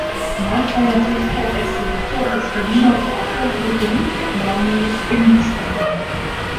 Nach seiner Tätigkeit als Direktor des Berliner Theaters lebte Ludwig Barnay in Wiesbaden.